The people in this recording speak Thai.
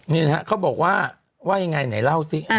นี่นะฮะเขาบอกว่าว่ายังไงไหนเล่าสิ